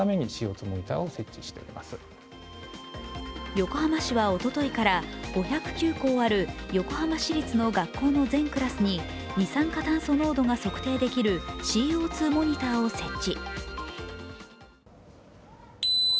横浜市は、おとといから５０９校横浜市立の学校の全クラスに二酸化炭素濃度が測定できるＣＯ２モニターを設置。